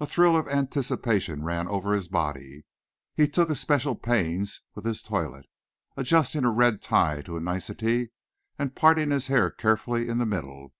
A thrill of anticipation ran over his body. He took especial pains with his toilet, adjusting a red tie to a nicety, and parting his hair carefully in the middle.